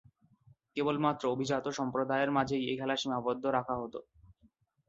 কেবলমাত্র অভিজাত সম্প্রদায়ের মাঝেই এ খেলা সীমাবদ্ধ রাখা হতো।